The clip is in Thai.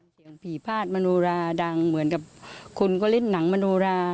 เสียงผีพาดมโนราดังเหมือนกับคุณก็เล่นหนังมโนรา